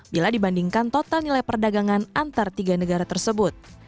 bila dibandingkan total nilai perdagangan antar tiga negara tersebut